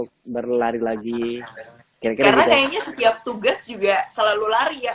karena kayaknya setiap tugas juga selalu lari ya